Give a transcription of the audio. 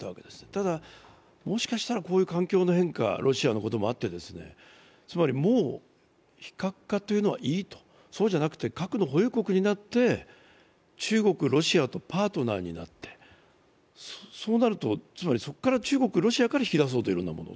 ただ、もしかしたら、こういう環境の変化、ロシアのこともあって、もう非核化というのはいいとそうじゃなくて核の保有国になって中国、ロシアとパートナーになって、そうなると、つまりそこから中国、ロシアから引き出せるもの。